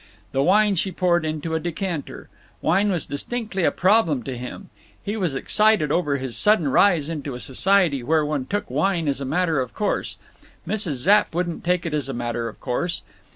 The wine she poured into a decanter. Wine was distinctly a problem to him. He was excited over his sudden rise into a society where one took wine as a matter of course. Mrs. Zapp wouldn't take it as a matter of course.